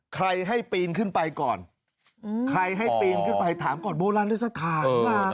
ใครให้ปีนขึ้นไปก่อนถามก่อนโบราณรสภาพ